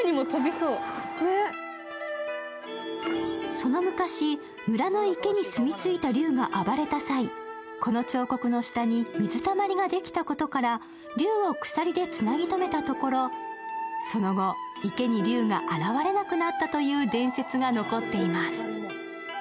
その昔、村の池に住み着いた竜が暴れた際、この彫刻の下に水たまりができたことから竜を鎖でつなぎ止めたところその後、池に竜が現れなくなったという伝説が残っています。